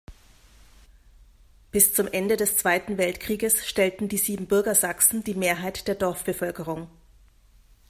Bis zum Ende des Zweiten Weltkrieges stellten die Siebenbürger Sachsen die Mehrheit der Dorfbevölkerung.